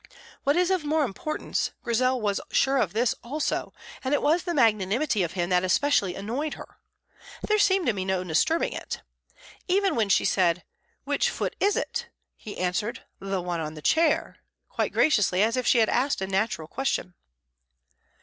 What is of more importance, Grizel was sure of this also, and it was the magnanimity of him that especially annoyed her. There seemed to be no disturbing it. Even when she said, "Which foot is it?" he answered, "The one on the chair," quite graciously, as if she had asked a natural question.